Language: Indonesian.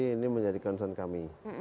ini menjadi concern kami